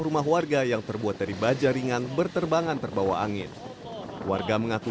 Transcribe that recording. rumah warga yang terbuat dari baja ringan berterbangan terbawa angin warga mengaku